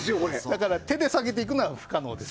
だから、手で提げていくのは不可能です。